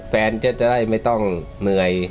แฟนจะได้ไม่ต้องเหนื่อย